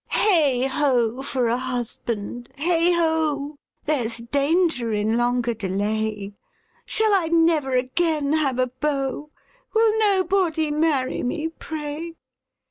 Heigh ho! for a husband! Heigh ho! There's danger in longer delay! Shall I never again have a beau? Will nobody marry me, pray!